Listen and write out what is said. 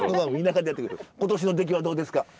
今年の出来はどうですか？